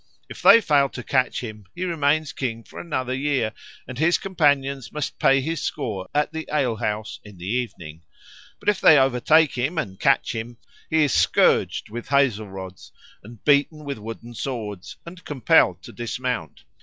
If they fail to catch him he remains King for another year, and his companions must pay his score at the ale house in the evening. But if they overtake and catch him he is scourged with hazel rods or beaten with the wooden swords and compelled to dismount.